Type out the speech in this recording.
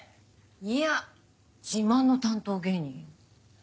いや自慢の担当芸人よ。